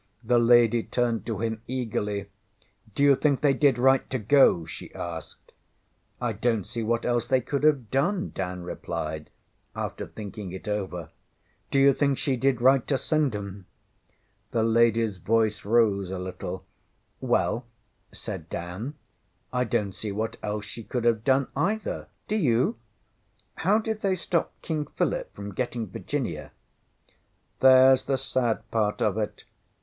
The lady turned to him eagerly. ŌĆśDŌĆÖyou think they did right to go? ŌĆÖ she asked. ŌĆśI donŌĆÖt see what else they could have done, ŌĆÖ Dan replied, after thinking it over. ŌĆśDŌĆÖyou think she did right to send ŌĆśem? ŌĆÖ The ladyŌĆÖs voice rose a little. ŌĆśWell, ŌĆÖ said Dan, ŌĆśI donŌĆÖt see what else she could have done, either do you? How did they stop King Philip from getting Virginia? ŌĆÖ ŌĆśThereŌĆÖs the sad part of it.